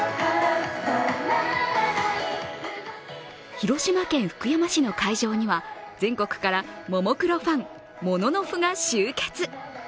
広島県福山市の会場には全国からももクロファン、モノノフが集結。